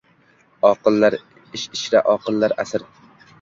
Oqillar — ish ichra, oqillar asir.